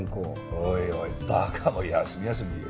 おいおい馬鹿も休み休み言え。